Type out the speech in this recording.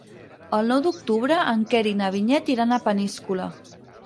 El nou d'octubre en Quer i na Vinyet aniran a Peníscola.